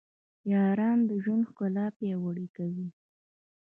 یاران د ژوند ښکلا پیاوړې کوي.